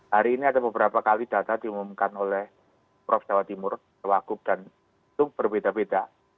hari ini ada beberapa kali data diumumkan oleh prof jawa timur kewagup dan itu berbeda beda